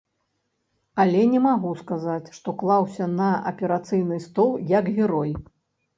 Але не магу сказаць, што клаўся на аперацыйны стол як герой.